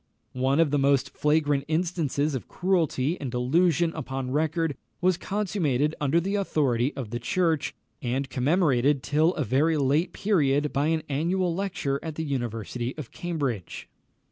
One of the most flagrant instances of cruelty and delusion upon record was consummated under the authority of the Church, and commemorated till a very late period by an annual lecture at the University of Cambridge.